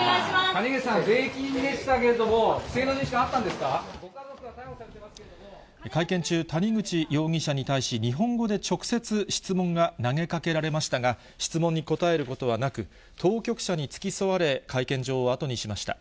谷口さん、税金でしたけれど会見中、谷口容疑者に対し、日本語で直接、質問が投げかけられましたが、質問に答えることはなく、当局者に付き添われ、会見場を後にしました。